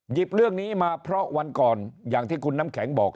เรื่องนี้มาเพราะวันก่อนอย่างที่คุณน้ำแข็งบอก